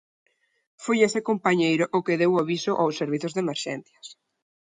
Foi ese compañeiro o que deu aviso aos servizos de Emerxencias.